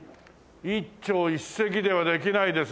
一朝一夕ではできないですね。